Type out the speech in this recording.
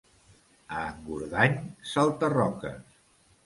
A Engordany, salta-roques.